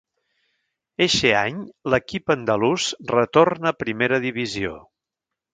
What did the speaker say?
Eixe any l'equip andalús retorna a primera divisió.